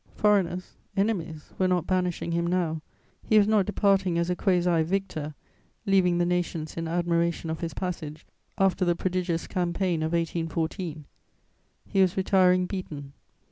Foreigners, enemies, were not banishing him now; he was not departing as a quasi victor, leaving the nations in admiration of his passage, after the prodigious campaign of 1814: he was retiring beaten.